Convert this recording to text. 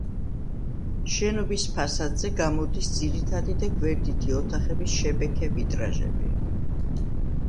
შენობის ფასადზე გამოდის ძირითადი და გვერდითი ოთახების შებექე ვიტრაჟები.